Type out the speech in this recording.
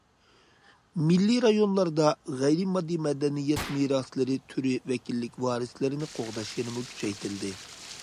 مىللىي رايونلاردا غەيرىي ماددىي مەدەنىيەت مىراسلىرى تۈرى ۋەكىللىك ۋارىسلىرىنى قوغداش يەنىمۇ كۈچەيتىلدى.